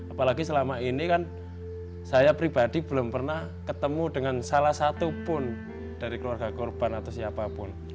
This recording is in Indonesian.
apalagi selama ini kan saya pribadi belum pernah ketemu dengan salah satu pun dari keluarga korban atau siapapun